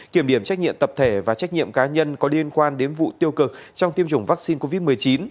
kiểm điểm trách nhiệm tập thể và trách nhiệm cá nhân có liên quan đến vụ tiêu cực trong tiêm chủng vaccine covid một mươi chín